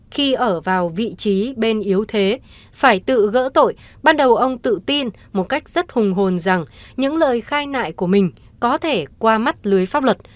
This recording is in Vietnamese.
khi ở vào vị trí bên yếu thế phải tự gỡ tội ban đầu ông tự tin một cách rất hùng hồn rằng những lời khai nại của mình có thể qua mắt lưới pháp luật